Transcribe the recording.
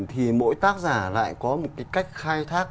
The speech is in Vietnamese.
thì mỗi tác giả lại có một cái cách khai thác